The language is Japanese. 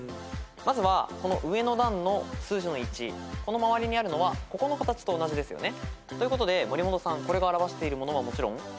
まずはこの上の段の数字の１この周りにあるのはここの形と同じですよね。ということで森本さんこれが表しているものはもちろん。